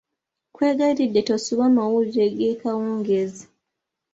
Nkwegayiridde tosubwa mawulire g'ekawungeezi.